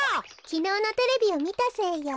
きのうのテレビをみたせいよ。